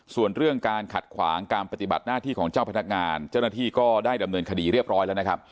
ส่วนเรื่องการขัดขวางการปฏิบัติหน้าที่ของเจ้าพนักงานเจ้าหน้าที่ก็ได้ดำเนินคดีเรียบร้อยแล้วนะครับ